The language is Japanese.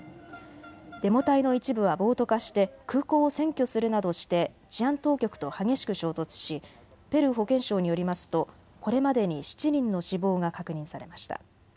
デモ隊の一部は暴徒化して空港を占拠するなどして治安当局と激しく衝突しペルー保健省によりますとこれまでに７人の死亡が確認されました。